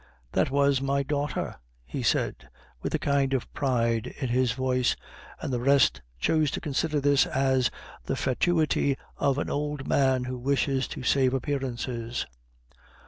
"That was my daughter," he said, with a kind of pride in his voice, and the rest chose to consider this as the fatuity of an old man who wishes to save appearances.